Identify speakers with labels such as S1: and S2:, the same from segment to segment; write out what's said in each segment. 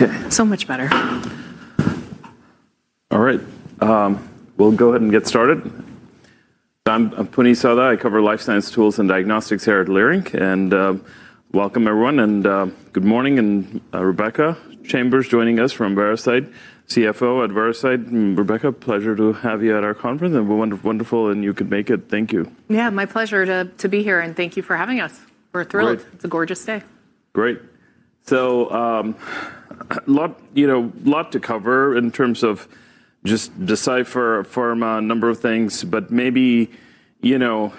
S1: Okay
S2: much better.
S1: All right, we'll go ahead and get started. I'm Puneet Souda. I cover life science tools and diagnostics here at Leerink. Welcome everyone. Good morning. Rebecca Chambers joining us from Veracyte, CFO at Veracyte. Rebecca, pleasure to have you at our conference. It's been wonderful, and you could make it. Thank you.
S2: Yeah. My pleasure to be here. Thank you for having us. We're thrilled.
S1: Great.
S2: It's a gorgeous day.
S1: Great. A lot, you know, a lot to cover in terms of just Decipher, Afirma, a number of things. Maybe, you know,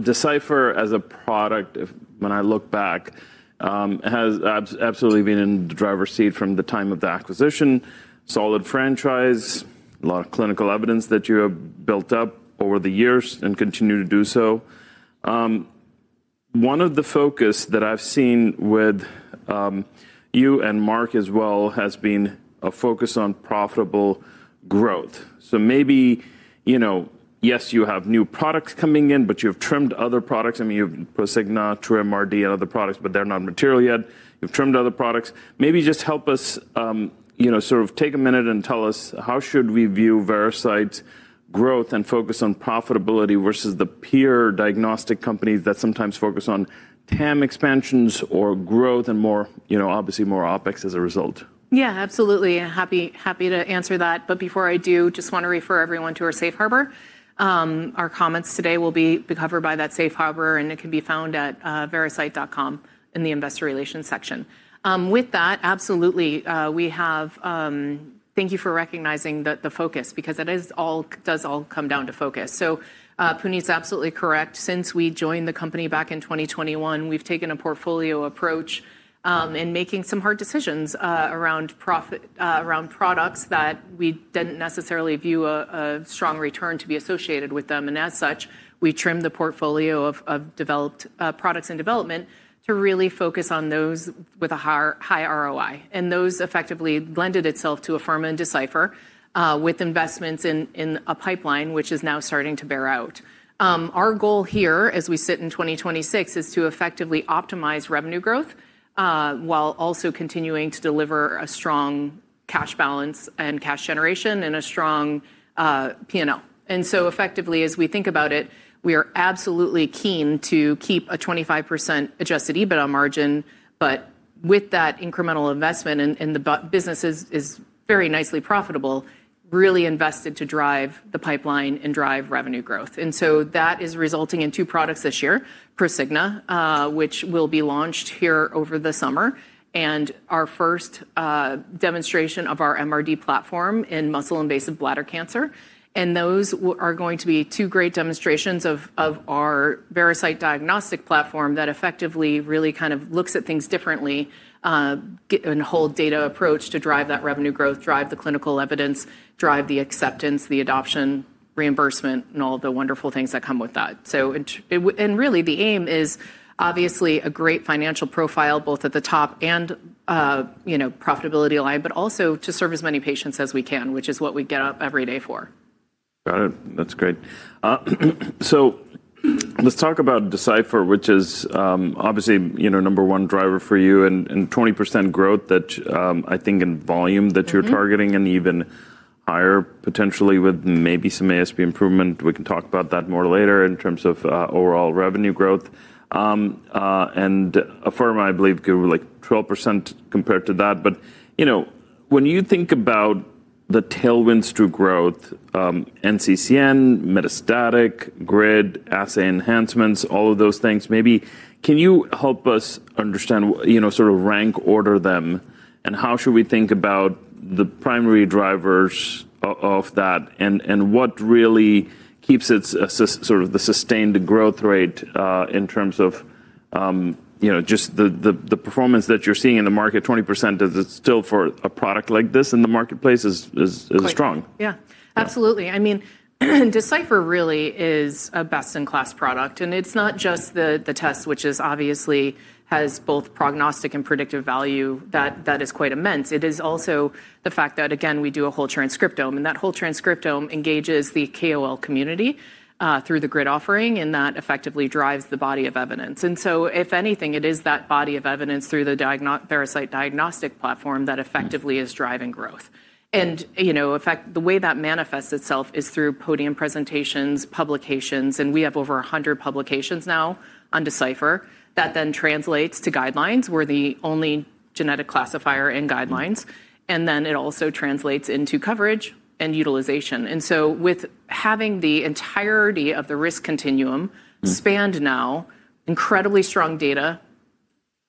S1: Decipher as a product, if when I look back, has absolutely been in the driver's seat from the time of the acquisition, solid franchise, a lot of clinical evidence that you have built up over the years and continue to do so. One of the focus that I've seen with, you and Mark as well has been a focus on profitable growth. Maybe, you know, yes, you have new products coming in, but you have trimmed other products. I mean, you've Prosigna, TruMRD, and other products, but they're not material yet. You've trimmed other products. Maybe just help us, you know, sort of take a minute and tell us how should we view Veracyte growth and focus on profitability versus the peer diagnostic companies that sometimes focus on TAM expansions or growth and more, you know, obviously more OpEx as a result?
S2: Yeah, absolutely. Happy to answer that. Before I do, just want to refer everyone to our safe harbor. Our comments today will be covered by that safe harbor, and it can be found at veracyte.com in the investor relations section. With that, absolutely. Thank you for recognizing the focus because it does all come down to focus. Puneet Souda is absolutely correct. Since we joined the company back in 2021, we've taken a portfolio approach in making some hard decisions around products that we didn't necessarily view a strong return to be associated with them. As such, we trimmed the portfolio of products in development to really focus on those with a high ROI. Those effectively blended itself to Afirma in Decipher, with investments in a pipeline which is now starting to bear out. Our goal here as we sit in 2026 is to effectively optimize revenue growth, while also continuing to deliver a strong cash balance and cash generation and a strong P&L. Effectively, as we think about it, we are absolutely keen to keep a 25% Adjusted EBITDA margin. With that incremental investment in the business is very nicely profitable, really invested to drive the pipeline and drive revenue growth. That is resulting in two products this year, Prosigna, which will be launched here over the summer, and our first demonstration of our MRD platform in muscle-invasive bladder cancer. those are going to be two great demonstrations of our Veracyte Diagnostics Platform that effectively really kind of looks at things differently, and whole data approach to drive that revenue growth, drive the clinical evidence, drive the acceptance, the adoption, reimbursement, and all the wonderful things that come with that. really the aim is obviously a great financial profile, both at the top and, you know, profitability line, but also to serve as many patients as we can, which is what we get up every day for.
S1: Got it. That's great. Let's talk about Decipher, which is, obviously, you know, number one driver for you and 20% growth that, I think in volume.
S2: Mm-hmm...
S1: you're targeting and even higher potentially with maybe some ASP improvement. We can talk about that more later in terms of overall revenue growth. And Afirma, I believe grew like 12% compared to that. You know, when you think about the tailwinds to growth, NCCN, metastatic, GRID, assay enhancements, all of those things, maybe can you help us understand, you know, sort of rank order them and how should we think about the primary drivers of that and what really keeps it sort of the sustained growth rate in terms of, you know, just the performance that you're seeing in the market, 20% is still for a product like this in the marketplace is strong.
S2: Quite. Yeah.
S1: Yeah.
S2: Absolutely. I mean, Decipher really is a best-in-class product, and it's not just the test, which is obviously has both prognostic and predictive value that is quite immense. It is also the fact that, again, we do a whole transcriptome, and that whole transcriptome engages the KOL community through the GRID offering, and that effectively drives the body of evidence. If anything, it is that body of evidence through the Veracyte Diagnostics Platform that effectively is driving growth. You know, the way that manifests itself is through podium presentations, publications, and we have over 100 publications now on Decipher that translates to guidelines. We're the only genetic classifier in guidelines, and it also translates into coverage and utilization. With having the entirety of the risk continuum.
S1: Mm
S2: spanned now incredibly strong data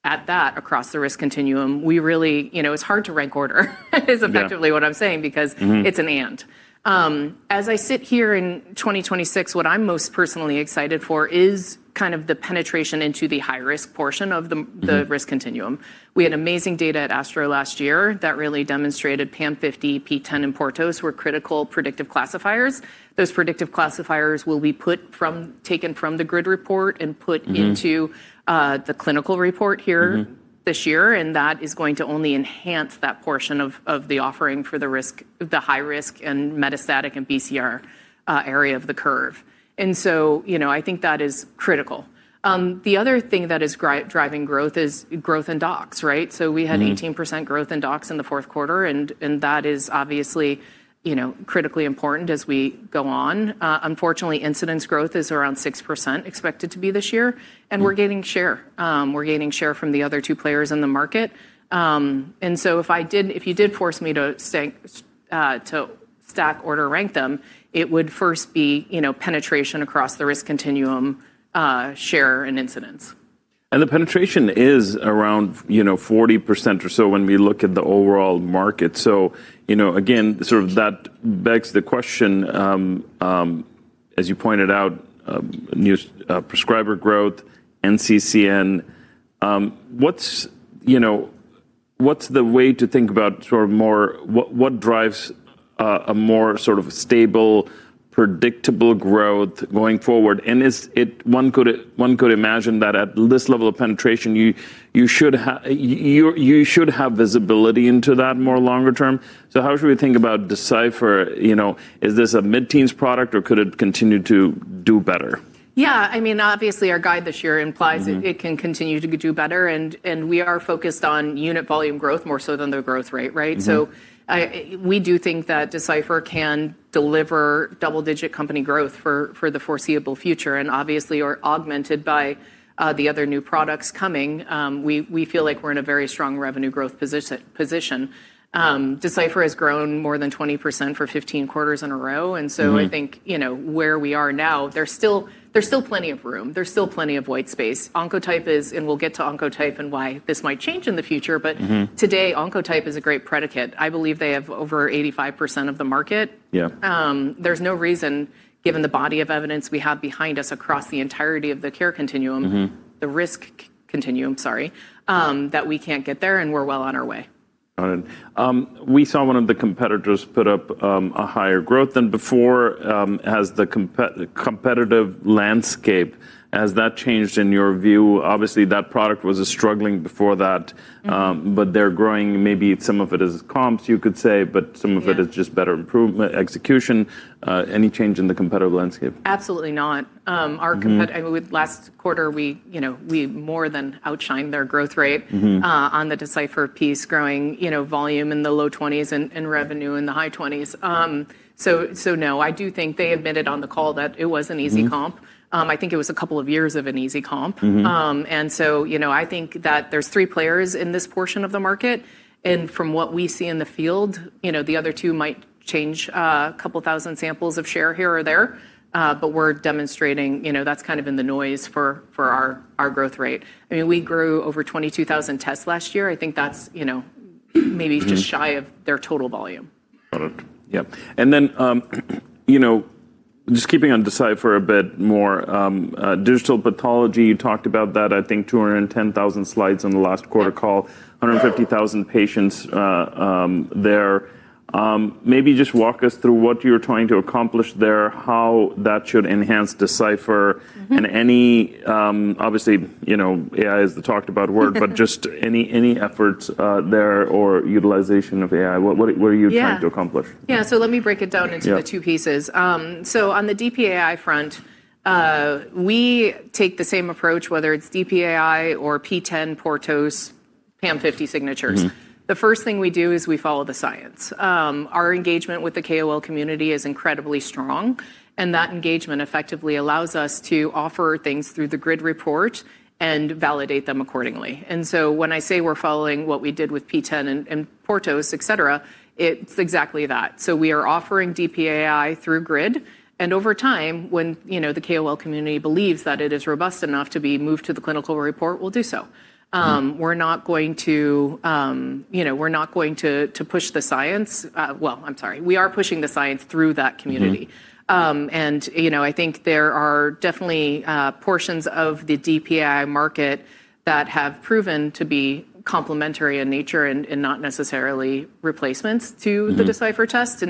S2: at that across the risk continuum, we really. You know, it's hard to rank order is effectively.
S1: Yeah...
S2: what I'm saying because-
S1: Mm-hmm...
S2: it's an and. As I sit here in 2026, what I'm most personally excited for is kind of the penetration into the high-risk portion of the.
S1: Mm-hmm...
S2: the risk continuum. We had amazing data at ASTRO last year that really demonstrated PAM50, PTEN, and PORTOS were critical predictive classifiers. Those predictive classifiers will be taken from the GRID report and put into.
S1: Mm-hmm...
S2: the clinical report this year, that is going to only enhance that portion of the offering for the high risk and metastatic and BCR area of the curve. You know, I think that is critical. The other thing that is driving growth is growth in docs, right?
S1: Mm-hmm.
S2: We had 18% growth in docs in the fourth quarter, and that is obviously, you know, critically important as we go on. Unfortunately, incidence growth is around 6% expected to be this year, and we're gaining share. We're gaining share from the other two players in the market. If you did force me to stack order rank them, it would first be, you know, penetration across the risk continuum, share and incidence.
S1: The penetration is around, you know, 40% or so when we look at the overall market. You know, again, sort of that begs the question, as you pointed out, new prescriber growth, NCCN, what's, you know, what's the way to think about sort of more what drives a more sort of stable, predictable growth going forward? One could imagine that at this level of penetration, you should have visibility into that more longer term. How should we think about Decipher? You know, is this a mid-teens product or could it continue to do better?
S2: Yeah. I mean, obviously, our guide this year.
S1: Mm-hmm...
S2: it can continue to do better, and we are focused on unit volume growth more so than the growth rate, right?
S1: Mm-hmm.
S2: We do think that Decipher can deliver double-digit company growth for the foreseeable future, and obviously are augmented by the other new products coming. We feel like we're in a very strong revenue growth position. Decipher has grown more than 20% for 15 quarters in a row.
S1: Right.
S2: I think, you know, where we are now, there's still plenty of room. There's still plenty of white space. We'll get to Oncotype and why this might change in the future.
S1: Mm-hmm.
S2: Today, Oncotype is a great predicate. I believe they have over 85% of the market.
S1: Yeah.
S2: There's no reason, given the body of evidence we have behind us across the entirety of the care continuum.
S1: Mm-hmm
S2: the risk continuum, sorry, that we can't get there, and we're well on our way.
S1: Got it. We saw one of the competitors put up a higher growth than before. Has the competitive landscape, has that changed in your view? Obviously, that product was struggling before that.
S2: Mm-hmm.
S1: They're growing. Maybe some of it is comps, you could say.
S2: Yeah.
S1: Some of it is just better improvement, execution. Any change in the competitive landscape?
S2: Absolutely not.
S1: Mm-hmm.
S2: I mean, last quarter, we, you know, we more than outshined their growth rate.
S1: Mm-hmm...
S2: on the Decipher piece, growing, you know, volume in the low 20s% and revenue in the high 20s%. No, I do think they admitted on the call that it was an easy comp.
S1: Mm-hmm.
S2: I think it was a couple of years of an easy comp.
S1: Mm-hmm.
S2: You know, I think that there's three players in this portion of the market, and from what we see in the field, you know, the other two might change, a couple thousand samples of share here or there. We're demonstrating, you know, that's kind of in the noise for our growth rate. I mean, we grew over 22,000 tests last year. I think that's, you know, maybe just shy...
S1: Mm-hmm
S2: of their total volume.
S1: Got it. Yeah. You know, just keeping on Decipher a bit more, digital pathology, you talked about that, I think 210,000 slides on the last quarter call. 150,000 patients, there. Maybe just walk us through what you're trying to accomplish there, how that should enhance Decipher...
S2: Mm-hmm
S1: Obviously, you know, AI is the talked about word. Just any efforts there or utilization of AI. What are you trying to accomplish?
S2: Yeah. Yeah. Let me break it down.
S1: Yeah...
S2: the two pieces. On the DPAI front, we take the same approach, whether it's DPAI or PTEN, PORTOS, PAM50 signatures.
S1: Mm-hmm.
S2: The first thing we do is we follow the science. Our engagement with the KOL community is incredibly strong, and that engagement effectively allows us to offer things through the GRID report and validate them accordingly. When I say we're following what we did with PTEN and PORTOS, et cetera, it's exactly that. We are offering DPAI through GRID, and over time, when, you know, the KOL community believes that it is robust enough to be moved to the clinical report, we'll do so. We're not going to, you know, we're not going to push the science. Well, I'm sorry. We are pushing the science through that community.
S1: Mm-hmm.
S2: You know, I think there are definitely, portions of the DPAI market that have proven to be complementary in nature and not necessarily replacements.
S1: Mm-hmm...
S2: the Decipher test.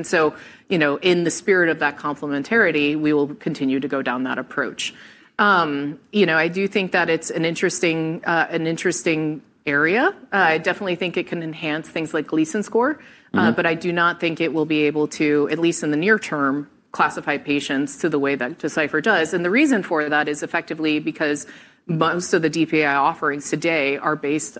S2: You know, in the spirit of that complementarity, we will continue to go down that approach. You know, I do think that it's an interesting, an interesting area. I definitely think it can enhance things like Gleason score.
S1: Mm-hmm.
S2: I do not think it will be able to, at least in the near term, classify patients to the way that Decipher does. The reason for that is effectively because most of the DPAI offerings today are based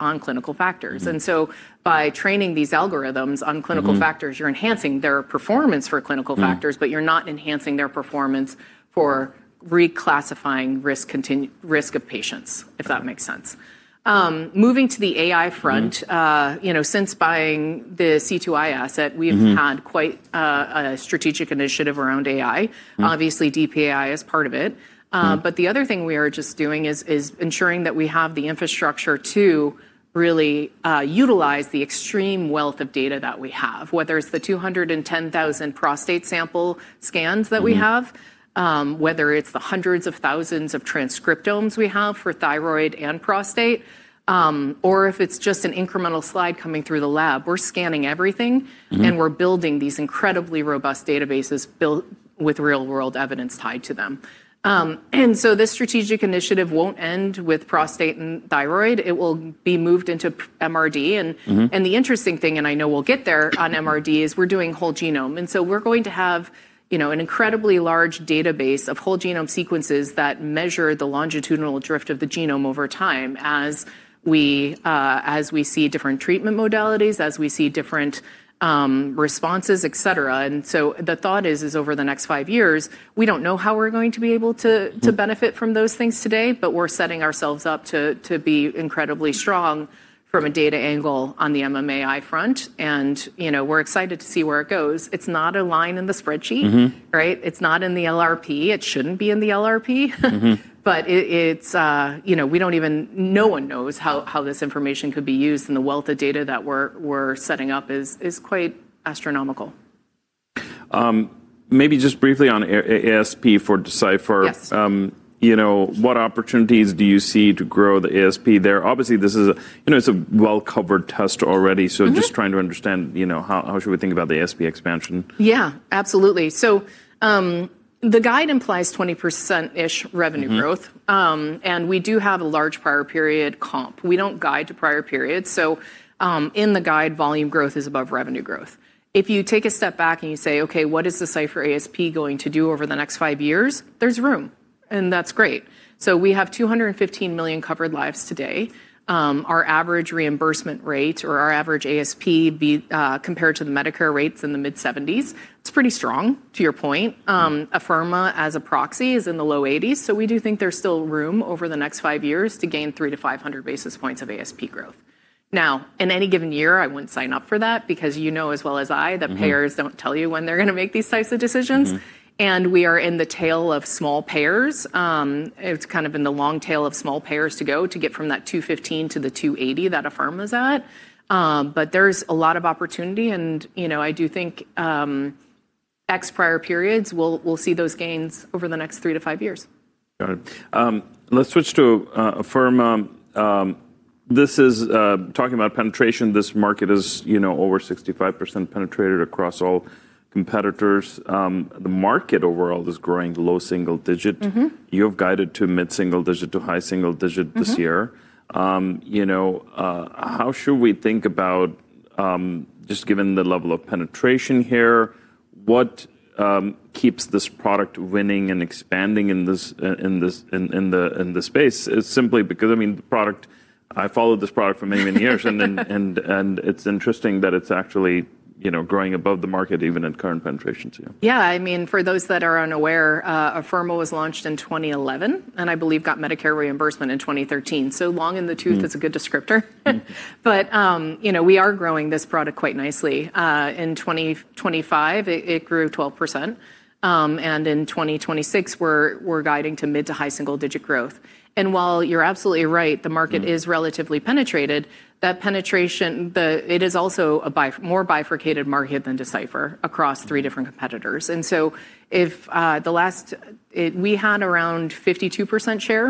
S2: on clinical factors.
S1: Mm-hmm.
S2: by training these algorithms on clinical factors.
S1: Mm-hmm...
S2: you're enhancing their performance for clinical factors-
S1: Mm-hmm...
S2: but you're not enhancing their performance for reclassifying risk of patients, if that makes sense. moving to the AI front-
S1: Mm-hmm...
S2: you know, since buying the C2i asset.
S1: Mm-hmm...
S2: we've had quite a strategic initiative around AI.
S1: Mm-hmm.
S2: Obviously, DPAI is part of it. The other thing we are just doing is ensuring that we have the infrastructure to really utilize the extreme wealth of data that we have, whether it's the 210,000 prostate sample scans that we have, whether it's the hundreds of thousands of transcriptomes we have for thyroid and prostate, or if it's just an incremental slide coming through the lab. We're scanning everything.
S1: Mm-hmm.
S2: We're building these incredibly robust databases built with real-world evidence tied to them. This strategic initiative won't end with prostate and thyroid. It will be moved into MRD.
S1: Mm-hmm.
S2: The interesting thing, and I know we'll get there on MRD, is we're doing whole genome. We're going to have, you know, an incredibly large database of whole genome sequences that measure the longitudinal drift of the genome over time as we see different treatment modalities, as we see different responses, et cetera. The thought is over the next five years, we don't know how we're going to be able to benefit from those things today, but we're setting ourselves up to be incredibly strong from a data angle on the MMAI front. You know, we're excited to see where it goes. It's not a line in the spreadsheet.
S1: Mm-hmm.
S2: Right? It's not in the LRP. It shouldn't be in the LRP.
S1: Mm-hmm.
S2: It's, you know, no one knows how this information could be used, and the wealth of data that we're setting up is quite astronomical.
S1: maybe just briefly on ASP for Decipher...
S2: Yes.
S1: you know, what opportunities do you see to grow the ASP there? Obviously, this is a, you know, it's a well-covered test already.
S2: Mm-hmm.
S1: Just trying to understand, you know, how should we think about the ASP expansion?
S2: Yeah. Absolutely. The guide implies 20%-ish revenue growth.
S1: Mm-hmm.
S2: We do have a large prior period comp. We don't guide to prior periods, in the guide, volume growth is above revenue growth. If you take a step back and you say, "Okay, what is Decipher ASP going to do over the next five years?" There's room, that's great. We have 215 million covered lives today. Our average reimbursement rate or our average ASP compared to the Medicare rates in the mid-70s, it's pretty strong, to your point. Afirma, as a proxy, is in the low-80s, we do think there's still room over the next five years to gain 300-500 basis points of ASP growth. Now, in any given year, I wouldn't sign up for that because you know as well as I that.
S1: Mm-hmm.
S2: -payers don't tell you when they're gonna make these types of decisions.
S1: Mm-hmm.
S2: We are in the tail of small payers. It's kind of in the long tail of small payers to go to get from that $215 to the $280 that Afirma's at. There's a lot of opportunity and, you know, I do think, ex prior periods, we'll see those gains over the next three to five years.
S1: Got it. Let's switch to Afirma. This is talking about penetration, this market is, you know, over 65% penetrated across all competitors. The market overall is growing low single digit.
S2: Mm-hmm.
S1: You've guided to mid-single digit to high single digit this year.
S2: Mm-hmm.
S1: You know, how should we think about, just given the level of penetration here, what keeps this product winning and expanding in this space? Is it simply because, I mean, the product I followed this product for many years and it's interesting that it's actually, you know, growing above the market even at current penetrations, yeah.
S2: Yeah. I mean, for those that are unaware, Afirma was launched in 2011 and I believe got Medicare reimbursement in 2013. long in the tooth-
S1: Mm.
S2: -is a good descriptor. you know, we are growing this product quite nicely. In 2025, it grew 12%, and in 2026, we're guiding to mid to high single digit growth. While you're absolutely right.
S1: Mm.
S2: The market is relatively penetrated, that penetration, it is also a more bifurcated market than Decipher across three different competitors. If the last, we had around 52% share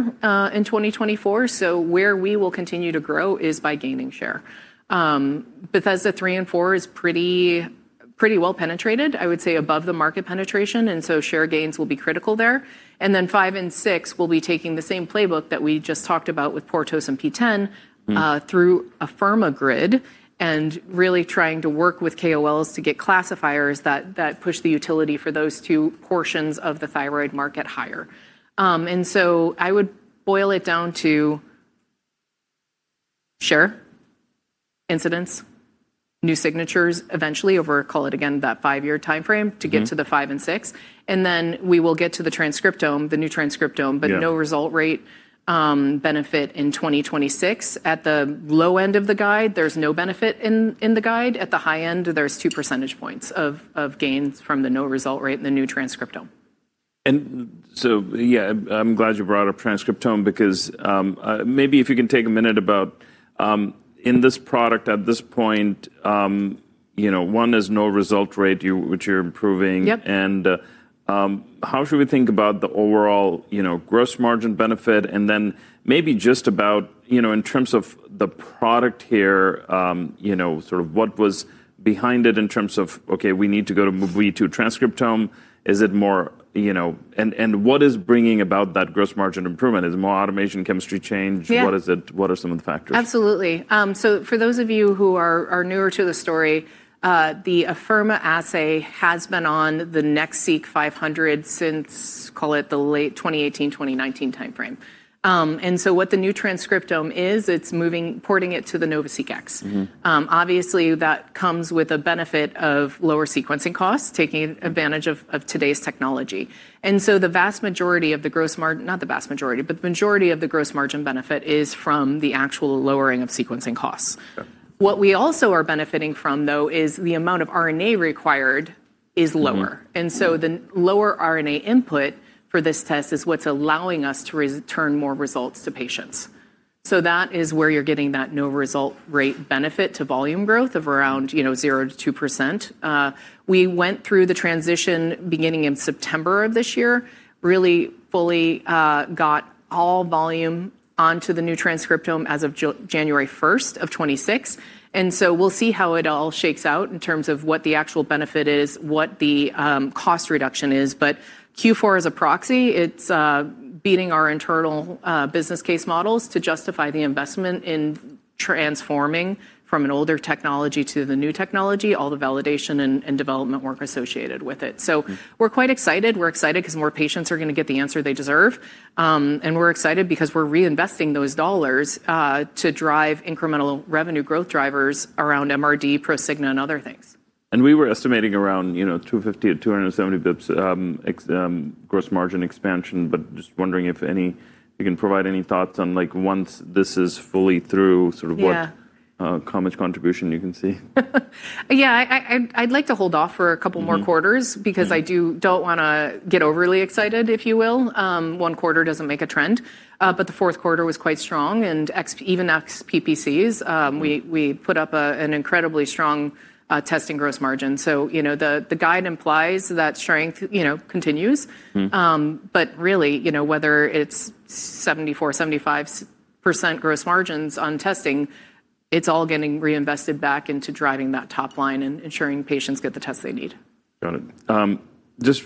S2: in 2024, where we will continue to grow is by gaining share. Bethesda III and IV is pretty well penetrated, I would say above the market penetration, share gains will be critical there. Five and six, we'll be taking the same playbook that we just talked about with PORTOS and PTEN.
S1: Mm.
S2: through Afirma GRID and really trying to work with KOLs to get classifiers that push the utility for those two portions of the thyroid market higher. I would boil it down to share, incidents, new signatures eventually over, call it again, that five-year timeframe.
S1: Mm-hmm.
S2: to get to the five and six. We will get to the transcriptome, the new transcriptome...
S1: Yeah.
S2: No result rate, benefit in 2026. At the low end of the guide, there's no benefit in the guide. At the high end, there's 2 percentage points of gains from the no result rate in the new transcriptome.
S1: yeah, I'm glad you brought up transcriptome because, maybe if you can take a minute about in this product at this point, you know, one is no result rate which you're improving.
S2: Yep.
S1: How should we think about the overall, you know, gross margin benefit? Then maybe just about, you know, in terms of the product here, you know, sort of what was behind it in terms of, okay, we need to move to a transcriptome. Is it more, you know? What is bringing about that gross margin improvement? Is it more automation, chemistry change?
S2: Yeah.
S1: What is it? What are some of the factors?
S2: Absolutely. For those of you who are newer to the story, the Afirma assay has been on the NextSeq 500 since, call it, the late 2018, 2019 timeframe. What the new transcriptome is, it's moving, porting it to the NovaSeq X.
S1: Mm-hmm.
S2: Obviously that comes with a benefit of lower sequencing costs, taking advantage of today's technology. Not the vast majority, but the majority of the gross margin benefit is from the actual lowering of sequencing costs.
S1: Sure.
S2: What we also are benefiting from, though, is the amount of RNA required is lower.
S1: Mm-hmm. Mm-hmm.
S2: The lower RNA input for this test is what's allowing us to return more results to patients. So that is where you're getting that no result rate benefit to volume growth of around, you know, 0%-2%. We went through the transition beginning in September of this year, really fully got all volume onto the new transcriptome as of January 1, 2026. We'll see how it all shakes out in terms of what the actual benefit is, what the cost reduction is. Q4 as a proxy, it's beating our internal business case models to justify the investment in transforming from an older technology to the new technology, all the validation and development work associated with it. We're quite excited. We're excited 'cause more patients are gonna get the answer they deserve. We're excited because we're reinvesting those dollars to drive incremental revenue growth drivers around MRD, Prosigna, and other things.
S1: We were estimating around, you know, 250-270 basis points, gross margin expansion, but just wondering if you can provide any thoughts on, like, once this is fully through, sort of what.
S2: Yeah...
S1: how much contribution you can see?
S2: Yeah. I'd like to hold off for a couple more quarters-
S1: Mm-hmm. Mm-hmm....
S2: because I don't wanna get overly excited, if you will. One quarter doesn't make a trend. The fourth quarter was quite strong, even ex PPCs, we put up an incredibly strong testing gross margin. You know, the guide implies that strength, you know, continues.
S1: Mm-hmm.
S2: Really, you know, whether it's 74%-75% gross margins on testing, it's all getting reinvested back into driving that top line and ensuring patients get the test they need.
S1: Got it. Just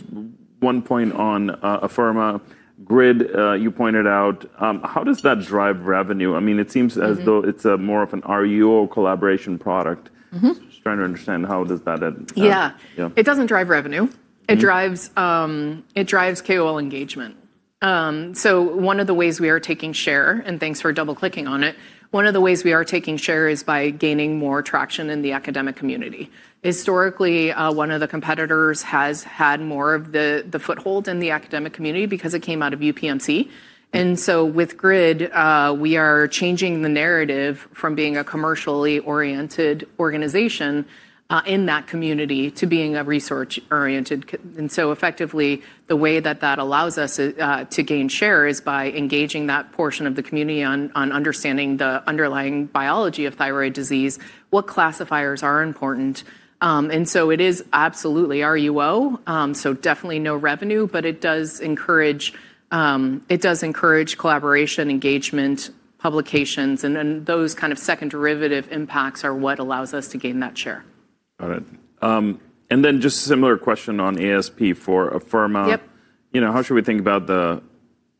S1: 1 point on Afirma GRID you pointed out. How does that drive revenue? I mean, it seems
S2: Mm-hmm...
S1: though it's more of an RUO collaboration product.
S2: Mm-hmm.
S1: Just trying to understand how does that add-
S2: Yeah.
S1: Yeah.
S2: It doesn't drive revenue.
S1: Mm-hmm.
S2: It drives KOL engagement. One of the ways we are taking share, and thanks for double-clicking on it, one of the ways we are taking share is by gaining more traction in the academic community. Historically, one of the competitors has had more of the foothold in the academic community because it came out of UPMC. With GRID, we are changing the narrative from being a commercially oriented organization in that community to being a research-oriented. Effectively, the way that allows us to gain share is by engaging that portion of the community on understanding the underlying biology of thyroid disease, what classifiers are important. It is absolutely RUO, so definitely no revenue, but it does encourage collaboration, engagement, publications, and then those kind of second derivative impacts are what allows us to gain that share.
S1: Got it. Then just a similar question on ASP for Afirma.
S2: Yep.
S1: You know, how should we think about the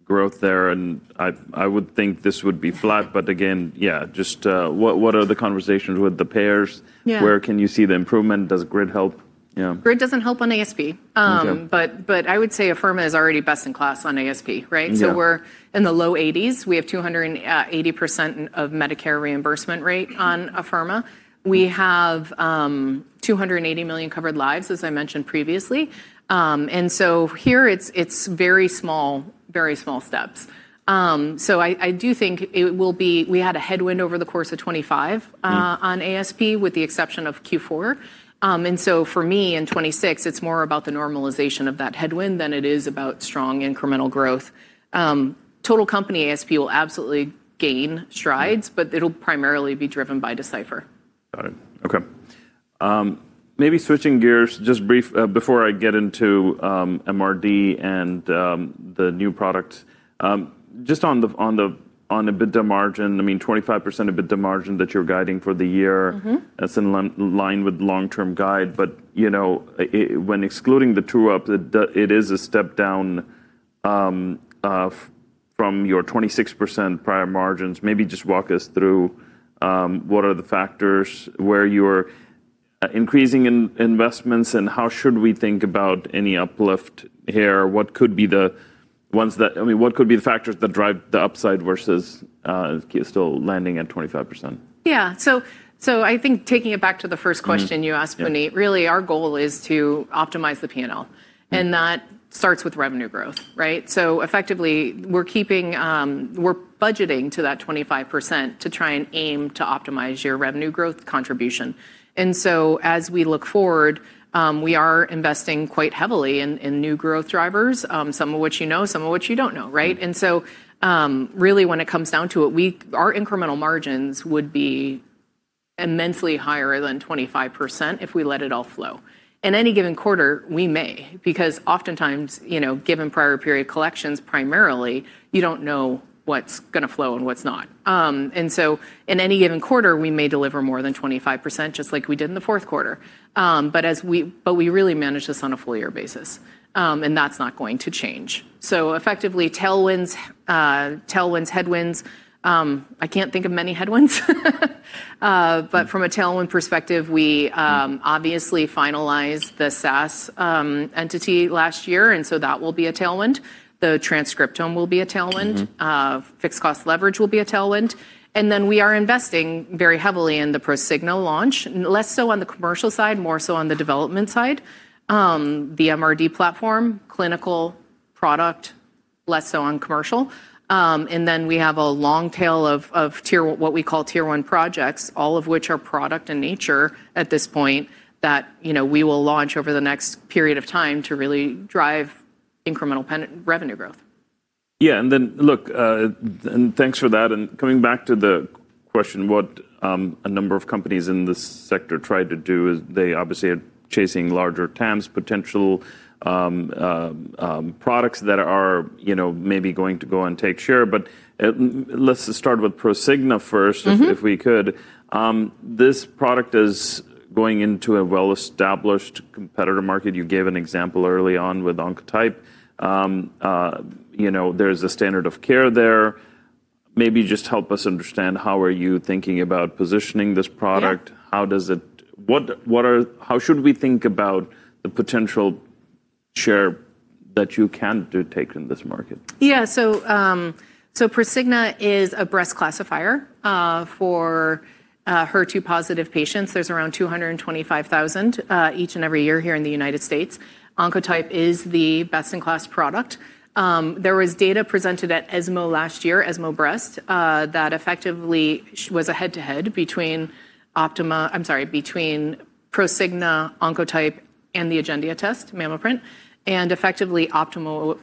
S1: growth there? I would think this would be flat, again, yeah, just, what the conversations with the payers?
S2: Yeah.
S1: Where can you see the improvement? Does GRID help? Yeah.
S2: GRID doesn't help on ASP.
S1: Okay
S2: I would say Afirma is already best in class on ASP, right?
S1: Yeah.
S2: We're in the low 80s. We have 280% of Medicare reimbursement rate on Afirma. We have $280 million covered lives, as I mentioned previously. Here, it's very small, very small steps. I do think We had a headwind over the course of 2025.
S1: Mm-hmm...
S2: on ASP, with the exception of Q4. For me in 2026, it's more about the normalization of that headwind than it is about strong incremental growth. Total company ASP will absolutely gain strides-.
S1: Mm-hmm...
S2: but it'll primarily be driven by Decipher.
S1: Got it. Okay. maybe switching gears just brief, before I get into MRD and the new product. just on EBITDA margin, I mean, 25% EBITDA margin that you're guiding for the year.
S2: Mm-hmm.
S1: That's in line with long-term guide. You know, when excluding the true-up, it is a step down from your 26% prior margins. Maybe just walk us through what are the factors where you're increasing in investments, and how should we think about any uplift here? I mean, what could be the factors that drive the upside versus still landing at 25%?
S2: Yeah. I think taking it back to the first question-
S1: Mm-hmm
S2: you asked, Puneet.
S1: Yeah...
S2: really our goal is to optimize the P&L. That starts with revenue growth, right? Effectively, we're keeping, we're budgeting to that 25% to try and aim to optimize your revenue growth contribution. As we look forward, we are investing quite heavily in new growth drivers, some of which you know, some of which you don't know, right? Really, when it comes down to it, our incremental margins would be immensely higher than 25% if we let it all flow. In any given quarter, we may, because oftentimes, you know, given Prior Period Collections, primarily, you don't know what's gonna flow and what's not. In any given quarter, we may deliver more than 25%, just like we did in the fourth quarter. We really manage this on a full year basis. That's not going to change. Effectively, tailwinds, headwinds, I can't think of many headwinds. From a tailwind perspective, we obviously finalized the SAS entity last year, and so that will be a tailwind. The transcriptome will be a tailwind.
S1: Mm-hmm.
S2: Fixed cost leverage will be a tailwind. We are investing very heavily in the Prosigna launch, less so on the commercial side, more so on the development side. The MRD platform, clinical product, less so on commercial. We have a long tail of what we call tier one projects, all of which are product in nature at this point that, you know, we will launch over the next period of time to really drive incremental pen revenue growth.
S1: Yeah. Look, and thanks for that. Coming back to the question, what, a number of companies in this sector tried to do is they obviously are chasing larger TAMs potential, products that are, you know, maybe going to go and take share. Let's just start with Prosigna first.
S2: Mm-hmm...
S1: if we could. This product is going into a well-established competitor market. You gave an example early on with Oncotype. you know, there's a standard of care there. Maybe just help us understand how are you thinking about positioning this product?
S2: Yeah.
S1: How should we think about the potential share that you can do take in this market?
S2: Prosigna is a breast classifier for HER2 positive patients. There's around 225,000 each and every year here in the United States. Oncotype is the best-in-class product. There was data presented at ESMO last year, ESMO Breast, that effectively was a head-to-head between Prosigna, Oncotype, and the Agendia test, MammaPrint, and effectively OPTIMA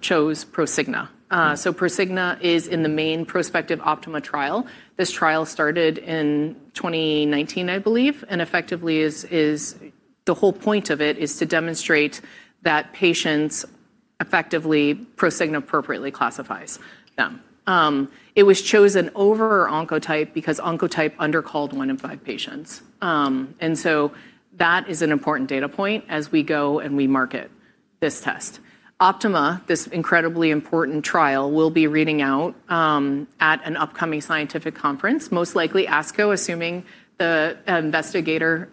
S2: chose Prosigna. Prosigna is in the main prospective OPTIMA trial. This trial started in 2019, I believe, and effectively is the whole point of it is to demonstrate that patients effectively Prosigna appropriately classifies them. It was chosen over Oncotype because Oncotype under-called one in five patients. That is an important data point as we go and we market this test. OPTIMA, this incredibly important trial, will be reading out, at an upcoming scientific conference, most likely ASCO, assuming the investigator,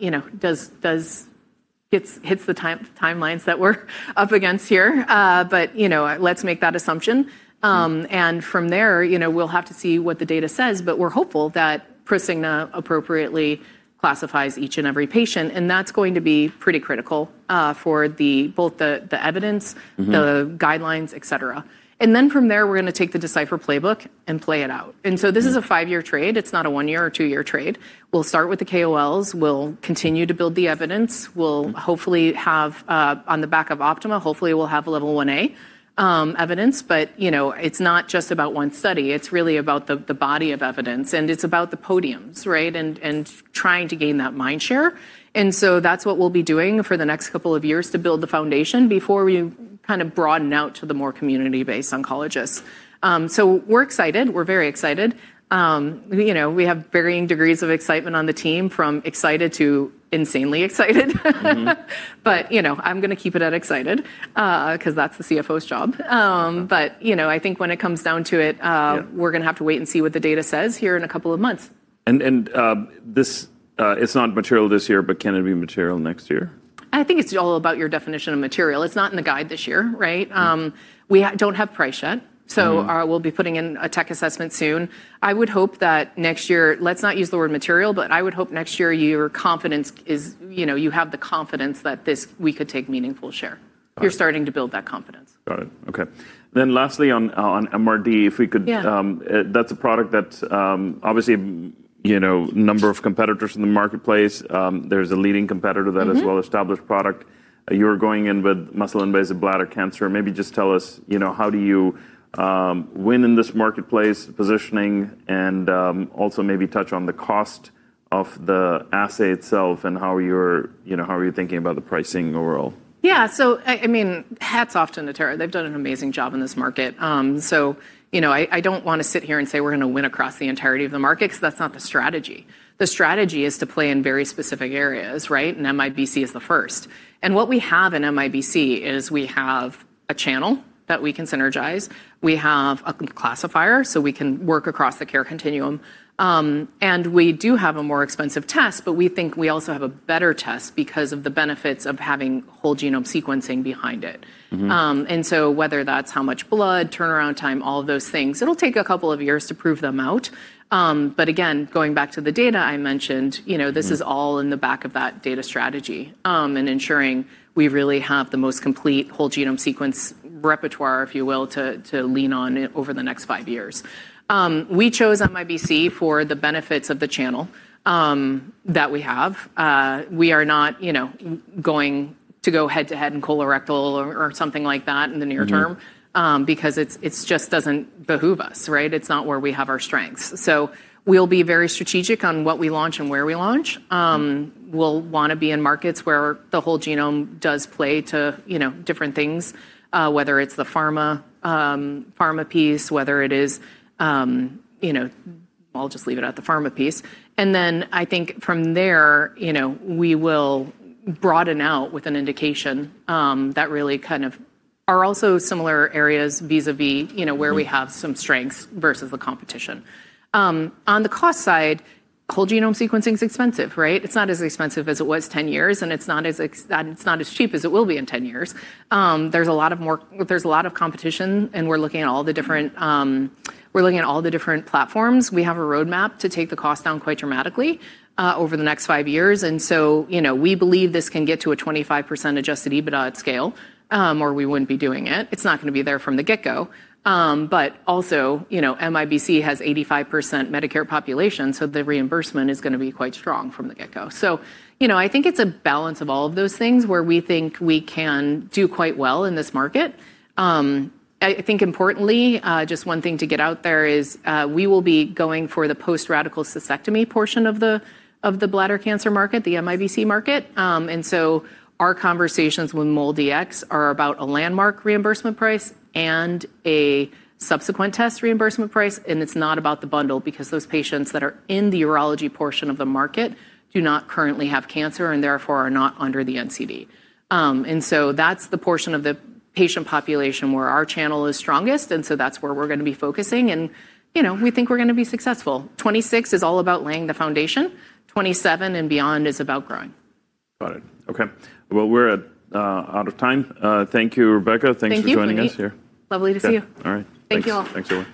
S2: you know, hits the timelines that we're up against here. You know, let's make that assumption. From there, you know, we'll have to see what the data says, but we're hopeful that Prosigna appropriately classifies each and every patient, and that's going to be pretty critical, for both the evidence-
S1: Mm-hmm...
S2: the guidelines, et cetera. Then from there, we're going to take the Decipher playbook and play it out.
S1: Mm-hmm.
S2: This is a five-year trade. It's not a one-year or two-year trade. We'll start with the KOLs. We'll continue to build the evidence. We'll hopefully have, on the back of OPTIMA, hopefully we'll have a Level 1A evidence. You know, it's not just about one study, it's really about the body of evidence, and it's about the podiums, right, and trying to gain that mind share. That's what we'll be doing for the next couple of years to build the foundation before we kind of broaden out to the more community-based oncologists. We're excited. We're very excited. You know, we have varying degrees of excitement on the team from excited to insanely excited.
S1: Mm-hmm.
S2: You know, I'm gonna keep it at excited, 'cause that's the CFO's job. You know, I think when it comes down to it-
S1: Yeah
S2: we're gonna have to wait and see what the data says here in a couple of months.
S1: This, it's not material this year, but can it be material next year?
S2: I think it's all about your definition of material. It's not in the guide this year, right? We don't have price yet.
S1: Mm-hmm...
S2: we'll be putting in a tech assessment soon. I would hope that next year, let's not use the word material, but I would hope next year your confidence is, you know, you have the confidence that this, we could take meaningful share.
S1: All right.
S2: You're starting to build that confidence.
S1: Got it. Okay. lastly, on MRD, if we could.
S2: Yeah
S1: That's a product that, obviously, you know, number of competitors in the marketplace. There's a leading competitor.
S2: Mm-hmm...
S1: that is well-established product. You're going in with muscle-invasive bladder cancer. Maybe just tell us, you know, how do you win in this marketplace positioning and also maybe touch on the cost of the assay itself and how you're, you know, how are you thinking about the pricing overall?
S2: Yeah. I mean, hats off to Natera. They've done an amazing job in this market. You know, I don't wanna sit here and say we're gonna win across the entirety of the market 'cause that's not the strategy. The strategy is to play in very specific areas, right? MIBC is the first. What we have in MIBC is we have a channel that we can synergize. We have a classifier, so we can work across the care continuum. We do have a more expensive test, but we think we also have a better test because of the benefits of having whole genome sequencing behind it.
S1: Mm-hmm.
S2: Whether that's how much blood, turnaround time, all of those things, it'll take two years to prove them out. Again, going back to the data I mentioned, you know.
S1: Mm-hmm
S2: this is all in the back of that data strategy, in ensuring we really have the most complete whole genome sequence repertoire, if you will, to lean on over the next five years. We chose MIBC for the benefits of the channel that we have. We are not, you know, going to go head-to-head in colorectal or something like that in the near term.
S1: Mm-hmm
S2: because it's just doesn't behoove us, right? It's not where we have our strengths. We'll be very strategic on what we launch and where we launch. We'll wanna be in markets where the whole genome does play to, you know, different things, whether it's the pharma piece, whether it is, you know. I'll just leave it at the pharma piece. Then I think from there, you know, we will broaden out with an indication, that really kind of are also similar areas vis-à-vis, you know.
S1: Mm-hmm
S2: where we have some strengths versus the competition. On the cost side, whole genome sequencing is expensive, right? It's not as expensive as it was 10 years, and it's not as cheap as it will be in 10 years. There's a lot of competition, and we're looking at all the different platforms. We have a roadmap to take the cost down quite dramatically over the next five years. You know, we believe this can get to a 25% Adjusted EBITDA at scale, or we wouldn't be doing it. It's not gonna be there from the get-go. Also, you know, MIBC has 85% Medicare population, so the reimbursement is gonna be quite strong from the get-go. You know, I think it's a balance of all of those things where we think we can do quite well in this market. I think importantly, just one thing to get out there is, we will be going for the post-radical cystectomy portion of the bladder cancer market, the MIBC market. Our conversations with MolDX are about a landmark reimbursement price and a subsequent test reimbursement price, and it's not about the bundle because those patients that are in the urology portion of the market do not currently have cancer and therefore are not under the NCD. That's the portion of the patient population where our channel is strongest, and so that's where we're gonna be focusing. You know, we think we're gonna be successful. 2026 is all about laying the foundation. 27 and beyond is about growing.
S1: Got it. Okay. Well, we're out of time. Thank you, Rebecca.
S2: Thank you, Puneet.
S1: Thanks for joining us here.
S2: Lovely to see you.
S1: Okay. All right. Thanks.
S2: Thank you all.
S1: Thanks, everyone.